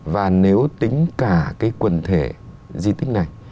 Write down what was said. và nếu tính cả cái quần thể di tích này